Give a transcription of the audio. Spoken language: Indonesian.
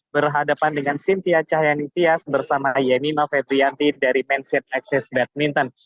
berhadapan dengan sintia cahya nityas bersama yenima fedrianti dari manship access badminton